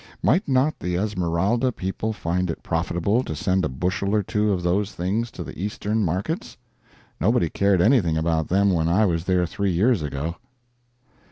Might not the Esmeralda people find it profitable to send a bushel or two of those things to the Eastern markets? Nobody cared anything about them when I was there three years ago.